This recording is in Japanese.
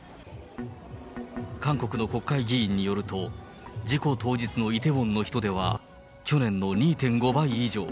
韓国の国会議員によると、事故当日のイテウォンの人出は、去年の２．５倍以上。